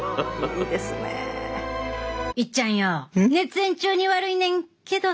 いっちゃんよ熱演中に悪いねんけど